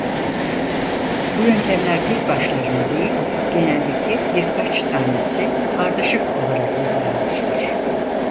Bu yöntemler tek başlarına değil genellikle birkaç tanesi ardışık olarak uygulanmıştır.